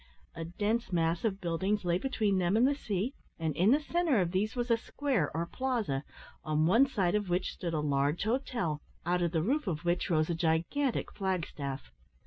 A dense mass of buildings lay between them and the sea, and in the centre of these was a square or plaza, on one side of which stood a large hotel, out of the roof of which rose a gigantic flag staff.